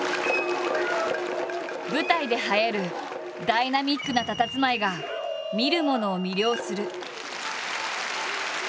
舞台で映えるダイナミックなたたずまいが見る者を魅了する。